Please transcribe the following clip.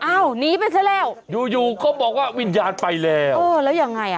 อ้าวหนีไปซะแล้วอยู่ก็บอกว่าวิญญาณไปแล้วเออแล้วยังไงอ่ะ